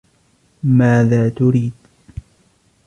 ماذا تريد؟